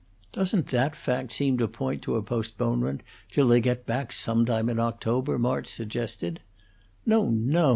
"Doesn't that fact seem to point to a postponement till they get back, sometime in October," March suggested. "No, no!"